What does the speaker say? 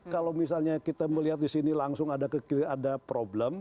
kalau misalnya kita melihat disini langsung ada problem